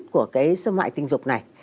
của cái xâm mại tình dục này